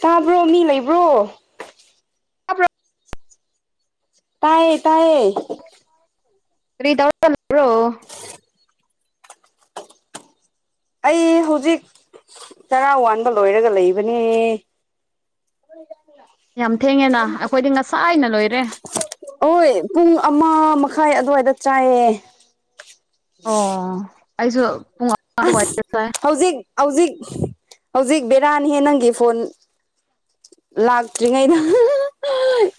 ꯇꯥꯕ꯭ꯔꯣ ꯃꯤ ꯂꯩꯕ꯭ꯔꯣ ꯇꯥꯕ꯭ꯔꯣ ꯇꯌꯦ ꯇꯌꯦ ꯊ꯭ꯔꯤ ꯊꯥꯎꯖꯟ꯭ꯔꯣ ꯑꯩ ꯍꯧꯖꯤꯛ ꯆꯔꯥ ꯋꯥꯟꯕ ꯂꯣꯏꯔꯒ ꯂꯩꯕꯅꯦ ꯍꯗ ꯌꯥꯝ ꯊꯦꯡꯉꯦꯅ ꯑꯩꯈꯣꯏꯗꯤ ꯉꯁꯥ ꯑꯅ ꯂꯣꯏꯔꯦ ꯍꯣꯏ ꯄꯨꯡ ꯑꯃ ꯃꯈꯥꯏ ꯑꯗꯨꯋꯥꯏꯗ ꯆꯥꯏꯌꯦ ꯑꯣ ꯑꯩꯁꯨ ꯄꯨꯡ ꯑꯃ ꯑ ꯑꯗꯨꯋꯥꯏꯗ ꯆꯥꯏ ꯍꯧꯖꯤꯛ ꯍꯧꯖꯤꯛ ꯍꯧꯖꯤꯛ ꯕꯦꯔꯥꯅꯤꯍꯦ ꯅꯪꯒꯤ ꯐꯣꯟ ꯂꯥꯛꯇ꯭ꯔꯤꯉꯩꯗ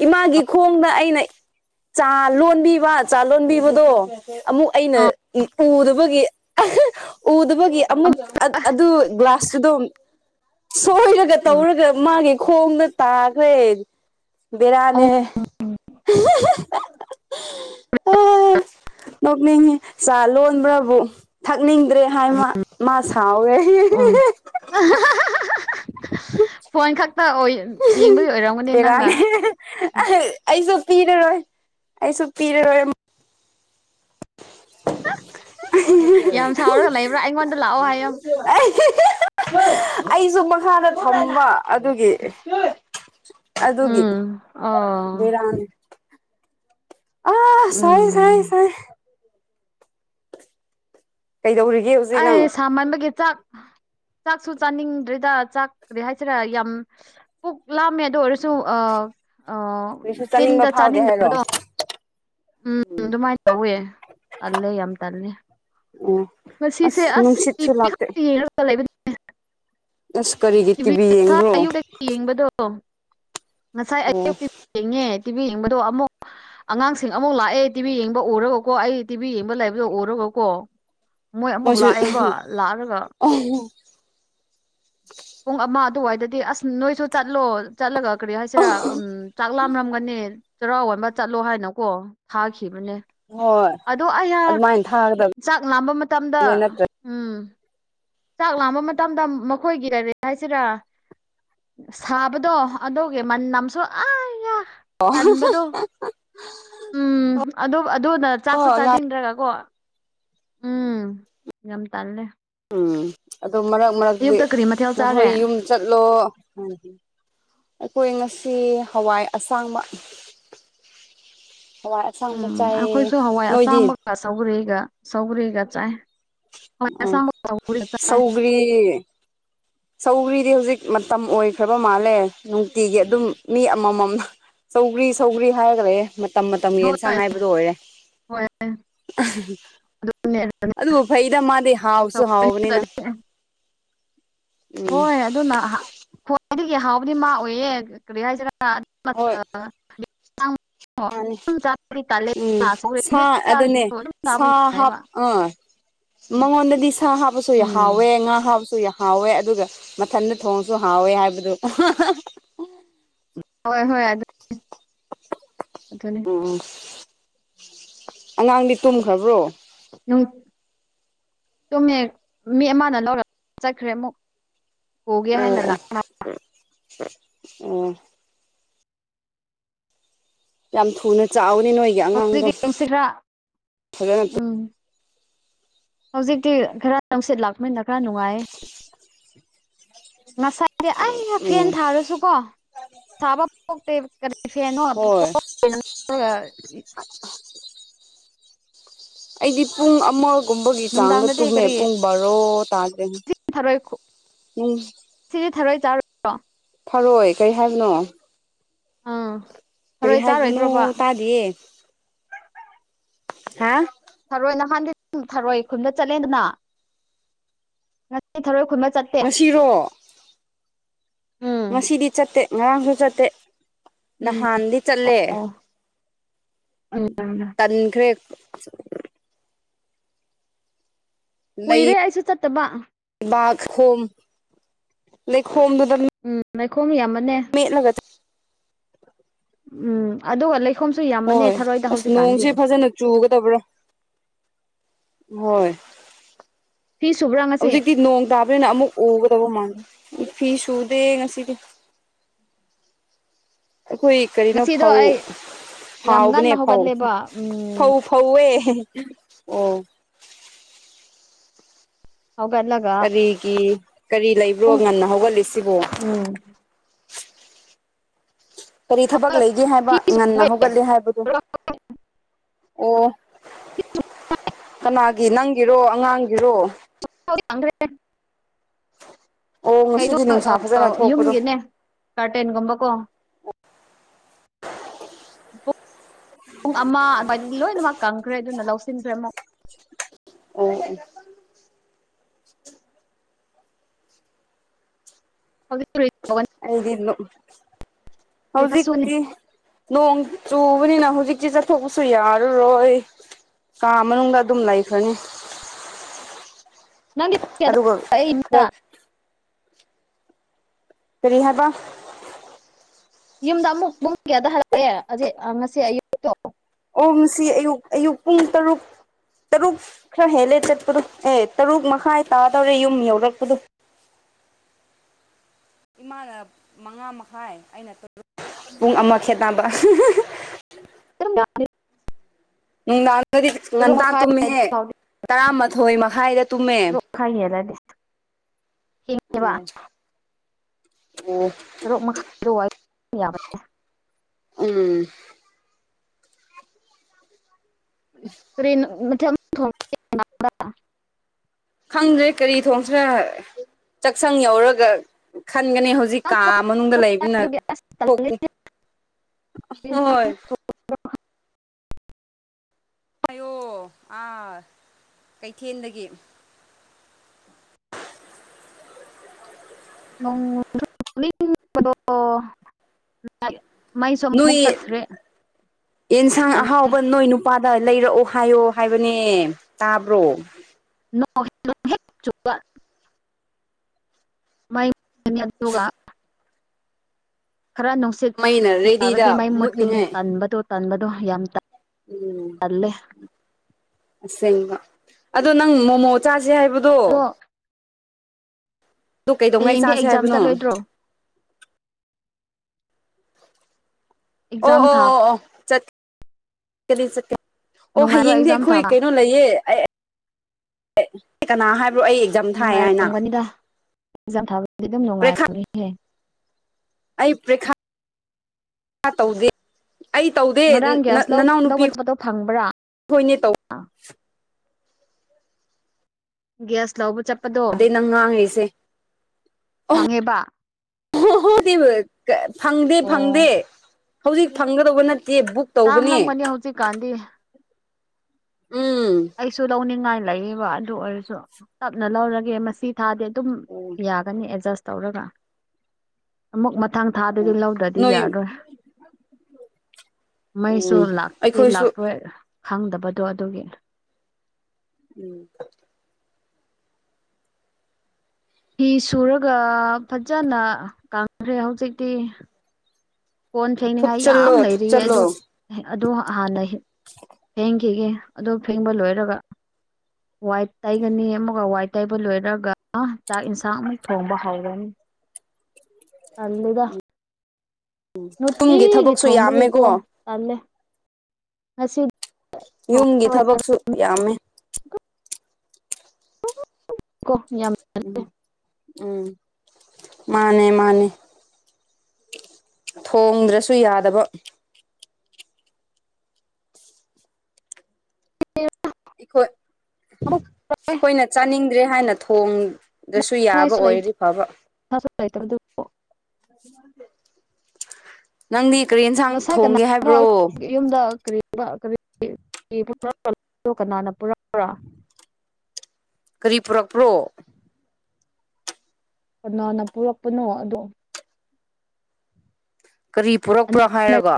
ꯏꯃꯥꯒꯤ ꯈꯣꯡꯗ ꯑꯩꯅ ꯆꯥ ꯂꯣꯟꯕꯤꯕ ꯆꯥ ꯂꯣꯟꯕꯤꯕꯗꯣ ꯑꯃꯨꯛ ꯑꯩꯅ ꯎꯗꯕꯒꯤ ꯎꯗ ꯨ ꯑꯗꯨ ꯒ꯭ꯂꯥꯁꯇꯨꯗꯣ ꯁꯣꯏꯔꯒ ꯇꯧꯔꯒ ꯃꯥꯒꯤ ꯈꯣꯡꯗ ꯇꯥꯈ꯭ꯔꯦ ꯑꯣ ꯕꯦꯔꯥꯅꯦ ꯅꯣꯛꯅꯤꯡꯉꯤ ꯆꯥ ꯂꯣꯟꯕ꯭ꯔꯕꯨꯛ ꯅꯤꯡꯗ꯭ꯔꯦ ꯍꯥꯏ ꯃꯥ ꯃꯥ ꯁꯥꯎꯋꯦ ꯐꯣꯟ ꯈꯛ ꯕꯤꯔꯅꯤ ꯑꯩꯁꯨ ꯄꯤꯔꯔꯣꯏ ꯑꯩꯁꯨ ꯄꯤꯔꯔꯣꯏ ꯌꯥꯝ ꯁꯥꯎꯔꯒ ꯂꯩꯕ꯭ꯔꯥ ꯑꯩꯉꯣꯟꯗ ꯂꯥꯛꯑꯣ ꯍꯥꯏꯌꯣ ꯑꯩ ꯑꯩꯁꯨ ꯃꯈꯥꯗ ꯊꯝꯃꯨꯕ ꯑꯗꯨꯒꯤ ꯑꯗꯨꯒꯤ ꯎꯝ ꯑꯣ ꯕꯤꯔꯌꯥꯅꯤ ꯑꯥ ꯁꯥꯏ ꯎꯝ ꯁꯥꯏ ꯁꯥꯏ ꯀꯩꯗꯧꯔꯤꯒꯦ ꯍꯧꯖꯤꯛ ꯅꯪ ꯑ ꯁꯃꯥꯟ ꯒꯦ ꯆ ꯆꯥꯛꯁꯨ ꯆꯥꯅꯤꯡꯗ꯭ꯔꯤꯗ ꯆꯥꯛꯦ ꯍꯥꯏꯁꯤꯔꯥ ꯌꯥꯝ ꯄꯨꯛ ꯂꯥꯝꯃꯦ ꯑꯗꯨ ꯑꯣꯏꯔꯁꯨ ꯑ ꯀꯔꯤꯁꯨ ꯆꯥꯅꯤꯡꯕ ꯆꯤꯟꯗ ꯐꯥꯎꯗꯦ ꯍꯥꯏꯔꯣ ꯆꯥꯅꯤꯡꯗꯕꯗꯣ ꯎꯝ ꯑꯗꯨꯃꯥꯏꯅ ꯇꯧꯋꯦ ꯇꯜꯂꯦ ꯌꯥꯝ ꯇꯜꯂꯦ ꯑꯣ ꯃꯁꯤꯁꯦ ꯑꯁ ꯅꯨꯡꯁꯤꯠꯁꯨ ꯂꯥꯛꯇꯦ ꯑꯁꯉꯒ ꯂꯩ ꯑꯁ ꯀꯔꯤꯒꯤ ꯇꯤꯚꯤ ꯉꯁꯥꯏ ꯌꯦꯡꯕ꯭ꯔꯣ ꯑꯌꯨꯛꯇꯒꯤ ꯌꯦꯡꯕꯗꯣ ꯉꯁꯥꯏ ꯑꯩ ꯑꯣ ꯇꯤꯚꯤ ꯌꯦꯡꯉꯦ ꯇꯤꯚꯤ ꯌꯦꯡꯕꯗꯣ ꯑꯃꯨꯛ ꯑꯉꯥꯡꯁꯤꯡ ꯑꯃꯨꯛ ꯂꯥꯛꯑꯦ ꯇꯤꯚꯤ ꯌꯦꯡꯕ ꯎꯔꯒꯀꯣ ꯑꯩ ꯇꯤꯚꯤ ꯌꯦꯡꯕ ꯂꯩꯕꯗ ꯎꯔꯒꯀꯣ ꯃꯣꯏ ꯑꯃꯨꯛ ꯃꯣꯏꯁꯨ ꯂꯥꯛꯑꯦꯕ ꯂꯥꯛꯑꯒ ꯄꯨꯡ ꯑꯃ ꯑꯗꯨꯋꯥꯏꯗꯗꯤ ꯑꯁ ꯅꯣꯏꯁꯨ ꯆꯠꯂꯣ ꯆꯠꯂꯒ ꯀꯔꯤ ꯍꯥꯏꯁꯤꯔꯥ ꯎꯝ ꯆꯥꯛ ꯂꯥꯝꯔꯝꯒꯅꯤ ꯆꯩꯔꯥꯎ ꯋꯥꯟꯕ ꯆꯠꯂꯣ ꯍꯥꯏꯅꯀꯣ ꯊꯥꯈꯤ ꯃ ꯍꯣꯏ ꯑꯗꯣ ꯑꯩꯍꯥꯛ ꯑꯗꯨꯃꯥꯏꯅ ꯊꯥꯒꯗꯕꯅꯤ ꯆꯥꯛ ꯝꯕ ꯃꯇꯝꯗ ꯅꯠꯇ꯭ꯔ ꯎꯝ ꯆꯥꯛ ꯂꯥꯝꯕ ꯃꯇꯝꯗ ꯃꯈꯣꯏꯒꯤꯔ ꯍꯥꯏꯁꯤꯔꯥ ꯁꯥꯕꯗꯣ ꯑꯗꯨꯒꯤ ꯃꯟꯝꯁꯨ ꯑ ꯑꯕꯗꯣ ꯎꯝ ꯑꯗꯨ ꯑꯗꯨꯅ ꯆꯥꯛꯁꯨ ꯑꯣ ꯑꯉꯥꯡ ꯆꯥꯅꯤꯡꯗ꯭ꯔꯒ ꯀꯣ ꯎꯝ ꯉꯝꯇꯜꯂꯦ ꯎꯝ ꯑꯗꯨꯗ ꯃꯔꯛ ꯃꯔꯛꯇꯤ ꯀꯔꯤ ꯃꯊꯦꯜ ꯆꯥꯔꯦ ꯅꯈꯣꯏ ꯌꯨꯝ ꯆꯠꯂꯣ ꯑꯩꯈꯣꯏ ꯉ ꯁꯤ ꯍꯋꯥꯏ ꯑꯁꯥꯡꯃꯛ ꯍꯋꯥꯏ ꯑꯁꯥꯡꯕ ꯎꯝ ꯆꯥꯏꯌꯦ ꯑꯩꯈꯣꯏꯁꯨ ꯍꯋꯥꯏ ꯅꯣꯏꯗꯤ ꯑꯁꯥꯡꯕꯒ ꯁꯧꯒꯔꯤꯒ ꯁꯧꯒꯔꯤꯒ ꯆꯥꯏ ꯍꯋꯥꯏ ꯑꯣ ꯑꯁꯥꯡꯕꯒ ꯁꯧꯒꯔꯤꯒ ꯆꯥꯏ ꯁꯧꯒꯔꯤ ꯁꯧꯒ꯭ꯔꯤꯗꯤ ꯍꯧꯖꯤꯛ ꯃꯇꯝ ꯑꯣꯏꯈ꯭ꯔꯕ ꯃꯥꯜꯂꯦ ꯅꯨꯡꯇꯤꯒꯤ ꯑꯗꯨꯝ ꯃꯤ ꯑꯃꯃꯝ ꯁꯧꯒ꯭ꯔꯤ ꯁꯧꯒ꯭ꯔꯤ ꯍꯥꯏꯔꯒ꯭ꯔ ꯃꯇꯝ ꯃꯇꯝꯒꯤ ꯑꯦꯟꯁꯥꯡ ꯍꯣꯏ ꯉꯥꯏꯕꯗꯣ ꯑꯣꯏꯔꯦ ꯍꯣꯏ ꯑꯗꯨꯅꯦ [unintelligible] ꯑꯗꯨ ꯐꯩꯗ ꯃꯥꯗꯦ ꯍꯥꯎꯁꯨ ꯍꯥꯎꯕꯅꯤꯅ ꯎꯝ ꯍꯣꯏ ꯑꯗꯨꯅ ꯈ꯭ꯋꯥꯏꯗꯒꯤ ꯍꯥꯎꯕꯗꯤ ꯃꯥ ꯑꯣꯏꯌꯦ ꯀꯔꯤ ꯍꯥꯏꯖꯔꯦ ꯍꯣꯏ ꯃꯥꯅꯤ [unintelligible] ꯎꯝ ꯁꯥ ꯑꯗꯨꯅꯦ ꯑꯗꯨꯝ ꯆꯥꯕ ꯁꯥ ꯍꯥꯞ ꯌꯥꯏꯕ ꯑꯥ ꯃꯉꯣꯟꯗꯗꯤ ꯁꯥ ꯍꯥꯞꯄꯁꯨ ꯌꯥꯝ ꯎꯝ ꯍꯥꯎꯋꯦ ꯉꯥ ꯨ ꯍꯥꯎꯋꯦ ꯑꯗꯨꯒ ꯃꯊꯟꯗ ꯊꯣꯡꯁꯨ ꯍꯥꯎꯋꯦ ꯍꯥꯏꯕꯗꯨ ꯍꯣꯏ ꯍꯣꯏ ꯑꯗꯨ ꯑꯗꯨꯅꯤ ꯎꯝ ꯑꯉꯥꯡꯗꯤ ꯇꯨꯝꯈ꯭ꯔꯕ꯭ꯔꯣ ꯇꯣꯃꯦ ꯃꯤ ꯑꯃꯅ ꯂꯧꯔ ꯆꯠꯈ꯭ꯔꯦ ꯑꯃꯨꯛ ꯍꯒꯦ ꯍꯥꯏ ꯅ ꯂ ꯑꯣ ꯑꯣ ꯑꯣ ꯌꯥꯝ ꯊꯨꯅ ꯆꯥꯎꯥꯛꯋꯅꯤ ꯅꯣꯏꯒꯤ ꯑꯉꯥꯡꯗꯣ ꯍꯧꯖꯤꯛꯇꯤ ꯅꯨꯡꯁꯤꯠ ꯈꯔ ꯐꯖ ꯎꯝ ꯍꯧꯖꯤꯛꯇꯤ ꯈꯔ ꯅꯪꯁꯤꯠ ꯂꯥꯛꯄꯅꯤꯅ ꯈꯔ ꯅꯨꯡꯉꯥꯏꯌꯦ ꯉꯁꯥꯏꯁ ꯑꯩ ꯐꯦꯟ ꯎꯝ ꯊꯥꯔꯁꯨꯀꯣ ꯁꯥꯕ ꯄꯣꯛꯇꯦꯕ ꯏꯐꯦꯅꯣ ꯍꯣꯏ ꯑꯩꯗꯤ ꯄꯨꯡ ꯑꯃ ꯀꯨꯝꯕꯒꯤ ꯆꯥꯡꯒ ꯅꯨꯡꯗꯥꯡꯗꯗꯤ ꯇꯨꯝꯃꯦ ꯀꯔꯤ ꯄꯨꯡ ꯕꯥꯔꯣ ꯇꯥꯗꯦ ꯊꯔꯣꯏ ꯎꯝ ꯁꯤꯗꯤ ꯊꯔꯣꯏ ꯆꯥꯔꯣꯏ ꯐꯔꯣꯏ ꯀꯔꯤ ꯍꯥꯏꯕꯅꯣ ꯑꯥ ꯀꯔꯤ ꯊꯔꯣꯏ ꯍꯥꯏꯕꯅꯣ ꯆꯥꯔꯣꯏꯗ꯭ꯔꯣꯕ ꯇꯥꯗꯤꯌꯦ ꯍꯥ [unintelligible] [inaudible] ꯊꯔꯣꯏ ꯅꯍꯥꯟꯗꯤ ꯊꯔꯣꯏ ꯈꯨꯟꯕ ꯆꯠꯂꯦꯗꯅ ꯉꯁꯤ ꯊꯔꯣꯏ ꯈꯨꯟꯕ ꯆꯠꯇꯦ ꯉꯁꯤꯔꯣ ꯎꯝ ꯉꯁꯤꯗꯤ ꯆꯠꯇꯦ ꯉꯔꯥꯡꯁꯨ ꯆꯠꯇꯦ ꯎꯝ ꯅꯍꯥꯟꯗꯤ ꯆꯠꯂꯦ ꯑꯣ ꯎꯝ ꯇꯟꯈ꯭ꯔꯦ [unintelligible] [inaudible] ꯀꯨꯏꯔꯦ ꯑꯩꯁꯨ ꯆꯠꯇꯕ ꯂꯩꯈꯣꯝ ꯂꯩ ꯈꯣꯝꯗꯨꯗꯔ ꯅꯈꯣꯡ ꯌꯥꯝ ꯃ ꯂꯗ [unintelligible] [inaudible] ꯎꯝ ꯑꯗꯨ ꯑꯂ ꯍꯣꯏ ꯑꯁ ꯅꯣꯡꯁꯦ ꯐꯖꯅ ꯆꯨꯒꯗꯕ꯭ꯔꯥ ꯍꯣꯏ ꯐꯤ ꯁꯨꯕ꯭ꯔꯥ ꯉꯁꯤ ꯍꯧꯖꯤꯛꯇꯤ ꯅꯣꯡ ꯇꯥꯕꯅꯤꯅ ꯑꯃꯨꯛ ꯎꯒꯗꯧꯕ ꯃꯥꯜꯂꯦ ꯐꯤ ꯁꯨꯗꯦ ꯉꯁꯤꯗꯤ ꯑꯩꯈꯣꯏ ꯀꯔꯤꯅꯣ ꯉꯁꯤꯗꯣ ꯐꯧ ꯑꯩ ꯌꯥꯝ ꯍꯥꯎꯕꯅꯦ ꯉꯟꯅ ꯐꯧ ꯍꯧꯒꯠꯂꯦꯕ ꯎꯝ ꯐꯧ ꯐꯧꯋꯦ ꯑꯣ ꯍꯧꯒꯠꯂꯒ ꯀꯔꯤꯒꯤ ꯀꯔꯤ ꯂꯩꯕ꯭ꯔꯣ ꯄꯨꯡ ꯉꯟꯅ ꯍꯧꯒꯠꯂꯤꯁꯤꯕ ꯎꯝ ꯀꯔꯤ ꯊꯕꯛ ꯂꯩꯒꯦ ꯍꯥꯏꯕ ꯐꯤ ꯉꯟꯅ ꯁꯨꯋꯦ ꯍꯧꯒꯠꯂꯤꯦ ꯍꯥꯏꯕꯗꯣ ꯑꯣ ꯀꯅꯥꯒꯤ ꯅꯪꯒꯤꯔꯣ ꯑꯉꯥꯡꯒꯤꯔꯣ ꯭ꯔꯦ [unintelligible] [inaudible] ꯑꯣ ꯀꯩꯅꯣ ꯉꯁꯤꯗꯤ ꯅꯨꯡꯁꯥ ꯐꯖꯅ ꯊꯣꯛꯄꯗꯣ ꯌꯨꯝꯒꯤꯅꯦ ꯀꯒꯥꯥꯔꯇꯦꯟꯒꯨꯝꯕꯀꯣ ꯑ [unintelligible] [inaudible] ꯄꯨꯡ ꯑꯃ ꯑꯗꯨꯏ ꯂꯣꯏꯅꯃꯛ ꯀꯪꯈ꯭ꯔꯦ ꯑꯗꯨꯅ ꯂꯧꯁꯤꯟꯗ꯭ꯔꯦ ꯑꯃꯨꯛ ꯑꯣ ꯑꯣ ꯍꯧ [unintelligible] [inaudible] ꯑꯩꯗꯤ [inaudible] ꯍꯧꯥꯎꯖꯤ ꯁꯨꯅꯤ ꯏꯇ ꯅꯣꯡ ꯆꯨꯕꯅꯤꯅ ꯍꯧꯖꯤꯛꯇꯤ ꯆꯠꯊꯣꯛꯄꯁꯨ ꯌꯥꯔꯔꯣꯏ ꯀꯥ ꯃꯅꯨꯡꯗ ꯑꯗꯨꯝ ꯂꯩꯈ꯭ꯔꯅꯤ [unintelligible] [inaudible] ꯅ ꯑꯗꯨꯒ ꯏ ꯈꯔ [unintelligible] [inaudible] ꯀ ꯔꯤ ꯍꯥꯏꯕ ꯌꯨꯝꯗ ꯑꯃꯨꯛ ꯄꯨꯡꯒꯦꯗ ꯍꯜꯂꯛꯑꯦ ꯍꯧꯖꯤꯠ ꯉꯁꯤ ꯑꯌꯨꯛꯇꯛꯇ ꯑꯣꯝ ꯁꯤ ꯑꯌꯨꯛ ꯑꯌꯨꯛ ꯄꯨꯡ ꯇꯔꯨꯛ ꯇꯔꯨꯛ ꯈꯔ ꯍꯦꯜꯂꯦ ꯆꯠꯄꯗꯣ ꯑꯦ ꯇꯔꯨꯛ ꯃꯈꯥꯏ ꯇꯥꯗꯧꯔꯦ ꯌꯨꯝ ꯌꯧꯔꯛꯄꯗꯨꯣ ꯑ [unintelligible] [inaudible] ꯏꯃꯥꯅ ꯃꯉꯥ ꯃꯈꯥꯏ ꯑꯩꯅ ꯄꯨꯡ ꯑꯃ ꯈꯦꯅꯕ ꯌꯥ [unintelligible] [inaudible] ꯎꯝꯥꯟ ꯍꯥꯏꯗꯤ ꯉꯟꯇꯥ ꯃꯈꯥꯏ ꯇꯨꯝꯃꯤꯍꯦ ꯇꯔꯨꯛ ꯇꯔꯥꯃꯥꯊꯣꯏ ꯃꯈꯥꯏꯗ ꯇꯨꯝꯃꯦ ꯃꯈꯥꯏ ꯍꯦꯜꯂꯗꯤ ꯊꯦꯡꯉꯦꯕ ꯎꯝ ꯍꯔꯣꯛ ꯃꯈꯥꯏ ꯌꯥꯅꯦ ꯎꯝ ꯀꯔꯤꯅ ꯃ ꯊꯣꯡ [unintelligible] ꯈꯪꯗ꯭ꯔꯦ ꯀꯔꯤ ꯊꯣꯡꯁꯔ ꯆꯥꯛꯁꯪ ꯌꯧꯔꯒ ꯈꯟꯒꯅꯤ ꯍꯧꯖꯤꯛ ꯀꯥ ꯊꯣꯡꯕ ꯃꯅꯨꯡꯗ ꯂꯩꯕꯅ ꯑꯗꯨꯒꯤ ꯑꯁ ꯇꯜꯂꯦ ꯊꯣꯛꯇꯦ ꯍꯣꯏꯣꯏ ꯍꯥꯏꯌꯣ ꯑꯥ ꯀꯩꯊꯦꯟꯗꯒꯤ ꯅꯣꯡꯗ ꯅꯣꯏ ꯌꯦꯟꯁꯥꯡ ꯑꯍꯥꯎꯕ ꯅꯣꯏ ꯅꯨꯄꯥ ꯗ ꯂꯩꯔꯛꯑꯣ ꯍꯥꯏꯌꯣ ꯍꯥꯏꯕꯅꯦ ꯇꯥꯕ꯭ꯔꯣ ꯅ ꯍꯦꯛ ꯆꯨꯕ ꯃꯗꯒ [inaudible] ꯈꯔ ꯅꯨꯡꯁꯤꯠ ꯃꯩꯅ ꯔꯦꯗꯤꯗ ꯇꯥꯔꯗꯤ ꯝꯩ ꯃꯨꯠꯀꯅꯤ ꯃꯨꯠꯅꯤꯡꯉꯥꯏ ꯇꯟꯕꯗꯣ ꯇꯟꯕꯗꯣ ꯌꯥꯝ ꯇꯜꯂꯦ ꯑꯁꯦꯡꯕ ꯑꯗꯣ ꯅꯪ ꯃꯣꯃꯣ ꯆꯥꯁꯦ ꯍꯥꯏꯕꯗꯣ ꯑꯗꯣ ꯑꯗꯨ ꯀꯩꯗꯧꯉꯩ ꯍꯌꯦꯡꯗꯤ ꯆꯥꯁꯦ ꯑꯦꯛꯖꯥꯝ ꯍꯥꯏꯕꯅꯣ ꯆꯠꯂꯣꯏꯗ꯭ꯔꯣ ꯑꯦꯛꯖꯝ ꯊꯥ ꯀ ꯑꯣ ꯅꯨꯡꯉꯥꯏꯔꯣ ꯍꯌꯦꯡꯗꯤ ꯑꯦꯛꯖꯥꯝ ꯑꯩꯈꯣꯏ ꯊꯥꯕ ꯀꯩꯅꯣ ꯂꯩꯌꯦ ꯑꯩ ꯑꯦ ꯀꯅꯥ ꯍꯥꯏꯕ꯭ꯔꯣ ꯑꯩ ꯑꯦꯛꯖꯥꯝ ꯊꯥꯏ ꯍꯥꯏꯅ ꯑꯦꯖꯥꯝ ꯊꯥꯕꯗꯗꯤ ꯑꯗꯨꯝ ꯄꯔꯤꯈꯥ ꯅꯨꯡꯉꯥꯏꯕꯅꯤ ꯍꯦ ꯑꯩ ꯄ꯭ꯔꯤꯈꯥꯥ ꯇꯧꯗꯦ ꯑꯩ ꯇꯧꯗꯦ ꯉꯔꯥꯡ ꯒ꯭ꯌꯥꯁ ꯅꯅꯥꯎꯅꯨꯄꯤ ꯂꯧꯕ ꯆꯠꯄꯗꯣ ꯐꯪꯕ꯭ꯔꯥ ꯍꯣꯏꯅꯦ ꯇꯧ ꯒꯦꯁ ꯂꯧꯕ ꯆꯠ ꯑꯗꯩ ꯅꯪ ꯉꯥꯡꯉꯤꯁꯦ ꯕꯥ ꯍꯣꯏꯕ ꯐꯪꯗꯦ ꯑꯣ -ꯐꯪꯗꯦ ꯍꯧꯖꯤꯛ ꯐꯪꯒꯗꯧꯕ ꯅꯠꯇ ꯀꯦ ꯕꯨꯛ ꯇꯧꯕꯅꯦ ꯇꯥꯡꯂꯝꯒꯅꯤ ꯍꯧꯖꯤꯛꯀꯥꯟꯗꯤ ꯎꯝ ꯑꯩꯁꯨ ꯂꯧꯅꯤꯡꯉꯥꯏ ꯂꯩꯌꯦꯕ ꯑꯗꯨ ꯑꯣꯏꯔꯁꯨ ꯇꯞꯅ ꯂꯧꯔꯒꯦ ꯃꯁꯤ ꯊꯥꯗꯤ ꯑꯗꯨꯝ ꯌꯥꯒꯅꯤ ꯑꯦꯗꯨꯝ ꯑꯦꯗꯖꯁ ꯇꯧꯔꯒ ꯑꯃꯨꯛ ꯃꯊꯡ ꯊꯥꯗꯗꯤ ꯂꯧꯗ꯭ꯔꯗꯤ ꯅꯣꯏ ꯌꯥꯔꯣꯏ ꯃꯩꯁꯨ ꯎꯝ ꯂꯥꯛꯅꯤ ꯑꯩꯈꯣꯏꯁꯨ ꯂꯥꯛꯂꯣꯏ ꯈꯪꯗꯕꯗꯣ ꯑꯗꯨꯒꯤ ꯎꯝ ꯐꯤ ꯁꯨꯔꯒ ꯐꯖꯅ ꯀꯪꯈ꯭ꯔꯦ ꯍꯧꯖꯤꯛꯇꯤ ꯀꯣꯟ ꯐꯦꯡꯅꯤꯡꯉꯥꯏ ꯌꯥꯝ ꯊꯨꯞꯆꯜꯂꯣ ꯂꯩꯔꯤꯌꯦ ꯊꯨꯞꯆꯜꯂꯣ ꯑꯗꯨ ꯑꯗꯣ ꯍꯥꯟꯅ ꯐꯦꯡꯈꯤꯒꯦ ꯑꯗꯣ ꯐꯦꯡꯕ ꯂꯣꯏꯔꯒ ꯋꯥꯏꯠ ꯇꯥꯏꯒꯅꯤ ꯑꯃꯒ ꯋꯥꯏꯠ ꯇꯥꯏꯕ ꯂꯣꯏꯔꯒ ꯆꯥꯛ ꯌꯦꯟꯁꯥꯡ ꯑꯃꯨꯛ ꯊꯣꯡꯕ ꯍꯧꯔꯅꯤ ꯇꯜꯂꯤꯗ ꯌꯨꯝꯒꯤ ꯅꯨꯡꯇꯤꯒꯤ ꯊꯕꯛꯁꯨ ꯌꯥꯝꯃꯦꯀꯣ ꯊꯣꯡꯕꯒꯤꯀꯣ ꯇꯜꯂꯦ ꯉꯁꯤ ꯌꯨꯝꯒꯤ ꯊꯕꯛꯁꯨ ꯌꯥꯝꯃꯦ ꯀꯣ ꯌꯥꯝ ꯎꯝ ꯎꯝ ꯃꯥꯅꯦ ꯃꯥꯅꯦ ꯊꯣꯡꯗ꯭ꯔꯁꯨ ꯌꯥꯗꯕ ꯑꯩꯈꯣꯏ- ꯑꯃꯨꯛ ꯑꯩꯈꯣꯏꯅ ꯆꯥꯅꯤꯡꯗ꯭ꯔꯦ ꯍꯥꯏꯅ ꯊꯣꯡ ꯗꯁꯨ ꯌꯥꯕ ꯑꯣꯏꯔꯗꯤ ꯐꯕ ꯇꯇꯣ [unintelligible] ꯅꯪꯗꯤ ꯀꯔꯤ ꯌꯦꯟꯁꯥꯡ ꯉꯁꯥꯏ ꯊꯣꯡꯒꯦ ꯀꯅꯥꯅꯣ ꯍꯥꯏꯕ꯭ꯔꯣ ꯑꯩꯈꯣꯏ ꯌꯨꯝꯗ [inaudible] ꯀꯅꯥꯅ ꯄꯨꯔꯛꯄ꯭ꯔꯥ ꯀꯔꯤ ꯄꯨꯔꯛꯄ꯭ꯔꯣ ꯀꯅꯥꯅ ꯄꯨꯔꯛꯄꯅꯣ ꯑꯗꯣ ꯀꯔꯤ ꯄꯨꯔꯛꯄ꯭ꯔꯣ ꯍꯥꯏꯔꯒ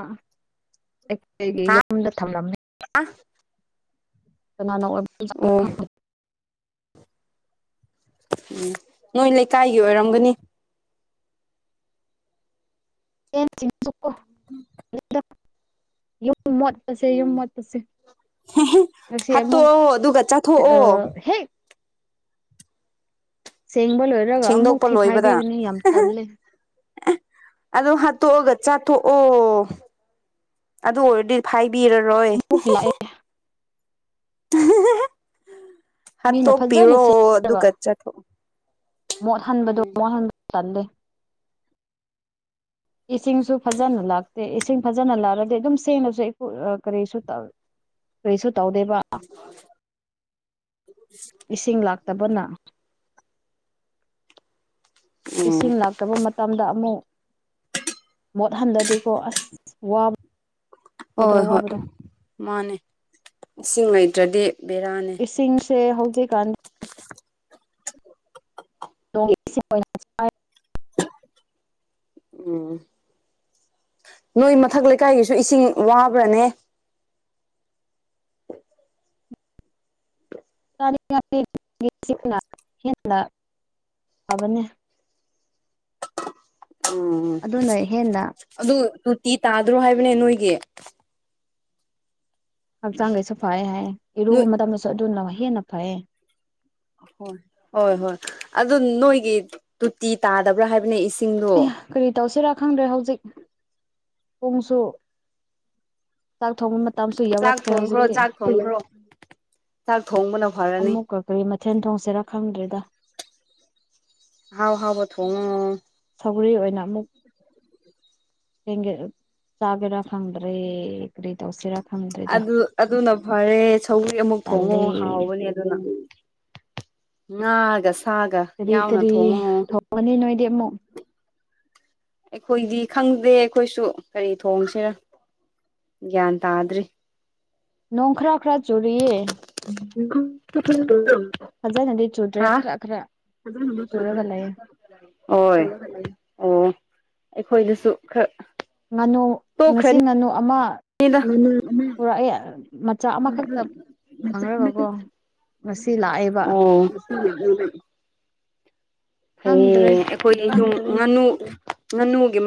ꯑ ꯑꯩꯈꯣꯏꯒꯤ ꯍꯥ ꯌꯨꯝꯗ ꯊꯝꯂꯝꯃꯦ ꯅ ꯑꯣ [inaudible] ꯎꯝ ꯅꯣꯏ ꯂꯩꯀꯥꯏꯒꯤ ꯑꯣꯏꯔꯝꯒꯅꯤ ꯟꯁꯤ ꯁꯛ [unintelligible] ꯎ ꯌꯨꯝ ꯃꯣꯠ ꯄꯁꯦ -ꯌꯨꯝ ꯃꯣꯠ ꯄꯁꯦ ꯁ ꯑꯃꯛ ꯍꯥꯠꯇꯣꯛꯑꯣ ꯑꯗꯨꯒ ꯑ ꯆꯥꯊꯣꯛꯑꯣ ꯍꯦ ꯁꯦꯡꯕ ꯂꯣꯏꯔꯒ ꯑꯃꯨꯛ ꯁꯦꯡꯗꯣꯛꯄ ꯊꯤ ꯐꯥꯏꯕꯤꯒꯅꯤ ꯌꯥꯝ ꯇꯜꯂꯦ ꯑꯗꯨꯣ ꯍꯥꯠꯇꯣꯛꯑꯒ ꯆꯥꯊꯣꯛꯑꯣ ꯑꯗꯨ ꯑꯣꯏꯔꯗꯤ ꯐ ꯕꯤꯔꯔꯣꯏ ꯑꯃꯨꯛ ꯂꯥꯛꯑꯦ [unintelligible] ꯃꯤꯅ ꯍꯥꯠꯇꯣ ꯐꯖꯅ ꯄꯤꯔꯣ ꯑꯗꯨ ꯁꯦꯝꯔꯒ ꯀ ꯆꯊ ꯎꯝ ꯆꯂꯦ ꯏꯁꯤꯡꯁꯨ ꯐꯖꯅ ꯂꯥꯛꯇꯦ ꯏꯁꯤꯡ ꯐꯖꯅ ꯂꯥꯛꯑꯗꯤ ꯑꯗꯨꯝ ꯁꯦꯡꯅꯁꯨ ꯀꯔꯤꯁꯨ ꯇꯧꯋꯤ ꯀꯔꯤꯁꯨ ꯇꯧꯗꯦꯕ ꯏꯁꯤꯡ ꯂꯥꯛꯇꯕꯅ ꯎꯝ ꯏꯁꯤꯡ ꯂꯥꯛꯇꯕ ꯃꯇꯝꯗ ꯑꯃꯨꯛ ꯃꯣꯠꯍꯟꯗꯗꯦꯀꯣ ꯑꯁ ꯋꯥꯕ ꯍꯣꯏ ꯍꯣꯏ ꯃꯥꯅꯦ ꯏꯁꯤꯡ ꯂꯩꯇ꯭ꯔꯗꯤ ꯕꯦꯔꯥꯅꯦ ꯍꯧꯖꯤꯦ ꯀꯥꯟ [unintelligible] [unintelligible] ꯎ ꯅꯣꯏ ꯃꯊꯛ ꯂꯩꯀꯥꯏꯒꯤꯁꯨ ꯏꯁꯤꯡ ꯋꯥꯕ꯭ꯔꯅꯦ ꯁꯤ ꯍ ꯐꯕꯅꯦ ꯎ ꯑꯗꯨꯅ ꯍꯦꯟꯅ ꯑꯗꯨ ꯇꯨꯇꯤ ꯇꯥꯗ꯭ꯔꯣ ꯍꯥꯏꯕꯅꯦ ꯅꯣꯏꯒꯤ ꯍꯛꯆꯥꯡꯈꯩꯁꯨ ꯐꯩ ꯍꯥꯏ ꯏꯔꯨꯕ ꯅꯣꯏ ꯃꯇꯝꯗꯁꯨ ꯑꯗꯨ ꯂ ꯍꯦꯟꯅ ꯐꯩ ꯍꯣꯏ ꯍꯣꯏ ꯍꯣꯏ ꯑꯗꯨ ꯅꯣꯏꯒꯤ ꯇꯨꯇꯤ ꯇꯥꯗꯕ꯭ꯔꯥ ꯍꯥꯏꯕꯅꯦ ꯏꯆꯦ ꯑꯦ ꯀꯔꯤꯇꯥꯁꯤ ꯔ ꯈꯪꯗ꯭ꯔꯦ ꯍꯧꯖꯤꯛ ꯄꯣꯡꯁꯨ ꯆꯥꯛ ꯊꯣꯡꯕ ꯃꯇꯝꯁꯨ ꯆꯥꯛ ꯌꯥꯎꯔꯛꯈ꯭ꯔꯦ ꯊꯣꯡꯈ꯭ꯔꯣ ꯍꯧꯖꯤꯛꯇꯤ ꯆꯥꯛ ꯊꯣꯡꯈ꯭ꯔꯣ ꯆꯥꯛ ꯊꯣꯡꯕꯅ ꯐꯔꯅꯤ ꯑꯃꯨꯛꯀꯀꯔꯤ ꯃꯊꯦꯜ ꯊꯣꯡꯁꯤꯦꯔꯥ ꯈꯪꯗ꯭ꯔꯦꯗ ꯍꯥꯎ ꯍꯥꯎꯕ ꯊꯉ ꯊꯧꯔꯤ ꯑꯣꯏꯅ ꯑꯃꯨꯛ ꯍ ꯆꯔ ꯈꯪꯗ꯭ꯔꯦ ꯀꯔꯤ ꯇꯧꯁꯤꯔ ꯑꯗꯨ ꯑꯗꯨꯅ ꯐꯔꯦ ꯁꯧꯤ ꯑꯃꯨꯛ ꯊꯣꯡꯉꯣ ꯇꯜꯂꯦ ꯍꯥꯎꯕꯅꯦ ꯑꯗꯨꯅ ꯉꯥꯒ ꯁꯥꯒ ꯀꯔꯤ ꯌꯥꯎꯅ ꯀꯔꯤ ꯊꯣꯡꯉꯣ ꯊꯣꯡꯒꯅꯤ ꯅꯣꯏꯗꯤ ꯑꯃꯨꯛ ꯑꯩꯈꯣꯏꯗꯤ ꯈꯪꯗꯦ ꯑꯩꯈꯣꯏꯁꯨ ꯀꯔꯤ ꯊꯣꯡꯁꯤꯔ ꯒꯟ ꯇꯗ꯭ꯔꯤ ꯅꯣꯡꯈ꯭ꯔꯥꯈ꯭ꯔꯥ ꯆꯔꯤ ꯀꯊ ꯇ ꯐꯖꯅꯗꯤ ꯆꯨꯗ꯭ꯔꯦ ꯈꯔ ꯈꯔ ꯆꯨꯔꯨꯔꯒ ꯂꯩꯑꯦ ꯍꯣꯏ ꯑꯣ ꯑꯩꯈꯣꯏꯗꯁꯨ ꯈꯔ ꯉꯥꯅꯨ ꯉꯁꯤ ꯇꯣꯛꯈ꯭ꯔꯅꯤꯗ ꯉꯥꯅꯨ ꯑꯃ ꯄꯨꯔꯛꯑꯦ ꯃꯆꯥꯥꯛ ꯑꯃꯈꯛꯇ ꯐꯪꯒꯀꯣ ꯉꯁꯤ ꯂꯥꯛꯑꯦꯕ ꯎꯝ ꯎ ꯂꯩ ꯍꯌꯦ ꯈꯪꯗ꯭ꯔꯦ ꯑꯩꯈꯣꯏꯒꯤ ꯑꯗꯨ ꯌꯨꯝ ꯉꯥꯅꯨ ꯉꯥꯅꯨꯒꯤ